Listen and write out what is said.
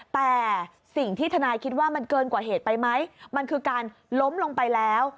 แต่สิ่งที่ทนายคิดว่ามันเกินกว่าเหตุไปไหมมันคือการล้มลงไปแล้ว